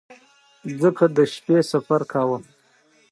ځکه د شپې سفر کاوه.